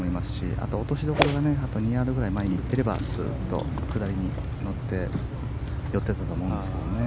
あと落としどころがあと２ヤードくらい前に行ってれば、下りに乗って寄っていたと思うんですけど。